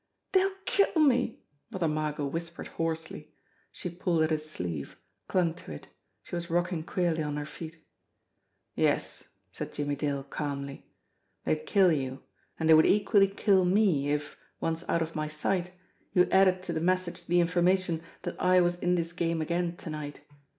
"Dey'll kill me !" Mother Margot whispered hoarsely. She pulled at his sleeve, clung to it; she was rocking queerly on her feet. "Yes," said Jimmie Dale calmly, "they'd kill you ; and they would equally kill me if, once out of my sight, you added to the message the information that I was in this game again to night.